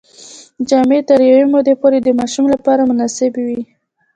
جامې تر یوې مودې پورې د ماشوم لپاره مناسبې وي.